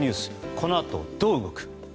この後どう動く？